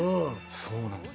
そうなんですよ。